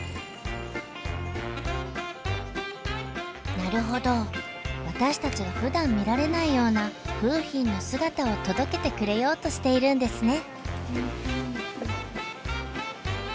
なるほど私たちがふだん見られないような楓浜の姿を届けてくれようとしているんですね。